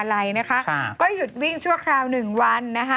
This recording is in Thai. หยุดวิ่งชั่วคราวหนึ่งวัน